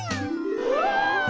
うわ！